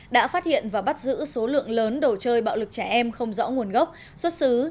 đã phát hiện và bắt giữ số lượng lớn đồ chơi bạo lực trẻ em không rõ nguồn gốc xuất xứ